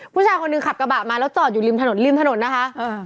ผู้ชายคนหนึ่งขับกระบะมาแล้วจอดอยู่ริมถนนริมถนนนะคะ